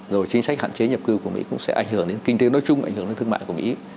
rồi chính sách hạn chế nhập cư của mỹ cũng sẽ ảnh hưởng đến kinh tế nói chung ảnh hưởng đến thương mại của mỹ